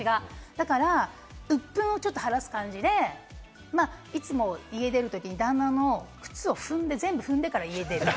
だから鬱憤をちょっと晴らす感じで、いつも家出るときに旦那の靴を全部踏んでから家を出る。